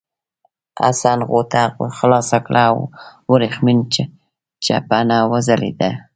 حسن غوټه خلاصه کړه او ورېښمین چپنه وځلېده.